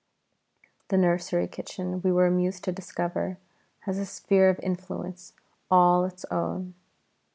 The nursery kitchen, we were amused to discover, has a sphere of influence all its own.